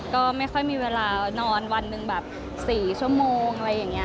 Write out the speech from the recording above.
ก็ไม่ค่อยมีเวลานอนนึง๔ชั่วโมง